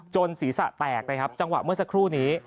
ศีรษะแตกนะครับจังหวะเมื่อสักครู่นี้